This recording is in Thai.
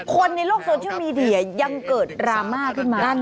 คนในโลกโซเชียลมีเดียยังเกิดดราม่าขึ้นมา